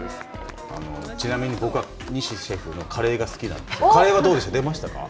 ちなみに僕は、西シェフのカレーが好きなんですけど、カレーはどうでしょうか、出ましたか。